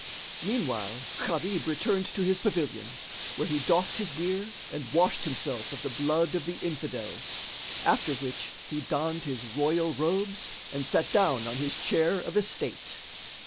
Meanwhile Gharib returned to his pavilion, where he doffed his gear and washed himself of the blood of the Infidels; after which he donned his royal robes and sat down on his chair of estate.